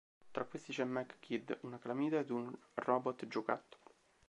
Tra questi c'è Mag Kid, una calamita, ed un robot giocattolo.